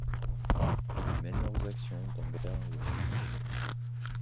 Ils mènent leurs actions dans Berlin-Ouest.